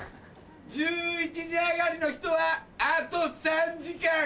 １１時上がりの人はあと３時間。